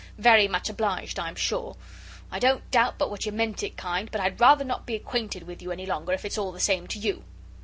Very much obliged, I'm sure. I don't doubt but what you meant it kind, but I'd rather not be acquainted with you any longer if it's all the same to you."